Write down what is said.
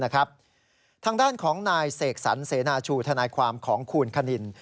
ทางด้านของนายเสกสรรเสนาชูทนายความของคุณคณิน